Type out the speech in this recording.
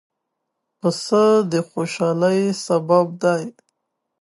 پسه د خوشحالۍ سبب دی.